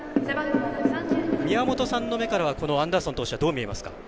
宮本さんの目からはアンダーソン投手はどう見えますか？